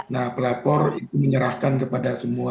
nah pelapor itu menyerahkan kepada semua